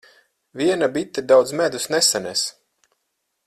Viena bite daudz medus nesanes.